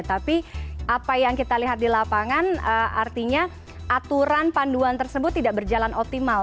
tapi apa yang kita lihat di lapangan artinya aturan panduan tersebut tidak berjalan optimal